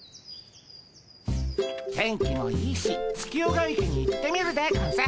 天気もいいし月夜が池に行ってみるでゴンス。